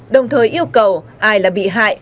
đồng thời yêu cầu ai là bị hại